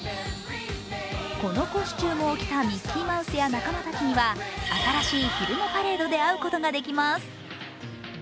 このコスチュームを着たミッキーマウスや仲間たちには新しい昼のパレードで会うことができます。